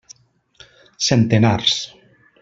Centenars.